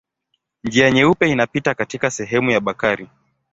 Njia Nyeupe inapita katika sehemu ya Bakari.